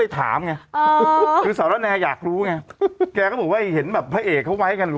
พี่ถามหมดแล้วถามจริงมั้ยทำไม